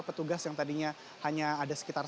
petugas yang tadinya hanya ada sekitar